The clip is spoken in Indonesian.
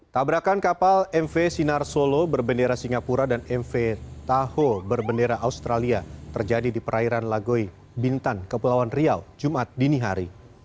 tabrakan kapal mv sinar solo berbendera singapura dan mv taho berbendera australia terjadi di perairan lagoy bintan kepulauan riau jumat dini hari